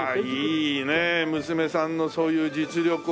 いいねえ娘さんのそういう実力。